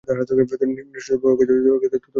নিষ্ঠুর তুমি, ওকে যদি না চাও তবে ওকে ধরে রেখো না।